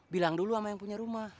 bilang dulu sama yang punya rumah